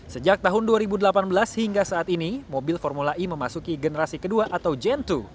sejak tahun dua ribu delapan belas hingga saat ini mobil formula e memasuki generasi kedua atau jn dua